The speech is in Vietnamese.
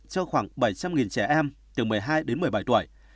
cho khoảng bảy trăm linh trẻ em từ một mươi hai đến một mươi bảy tuổi